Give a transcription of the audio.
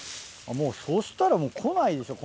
そしたらもう来ないでしょ